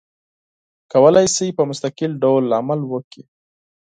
کولای شي په مستقل ډول عمل وکړي.